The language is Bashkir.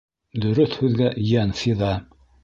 Дөрөҫ һүҙгә йән фиҙа.